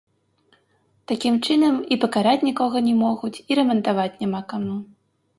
Такім чынам, і пакараць нікога не могуць, і рамантаваць няма каму.